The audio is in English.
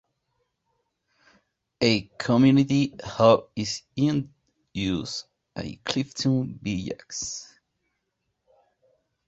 A community hall is in use at Clifton village.